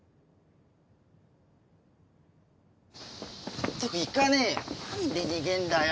納得いかねえよ！